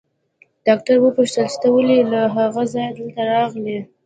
ډاکټر وپوښتل چې ته ولې له هغه ځايه دلته راغلې.